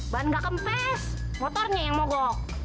ban gak kempes motornya yang mogok